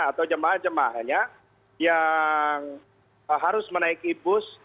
atau jemaah jemaahnya yang harus menaiki bus